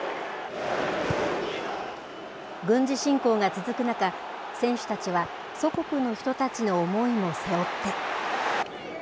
軍事侵攻が続く中、選手たちは祖国の人たちの思いを背負って。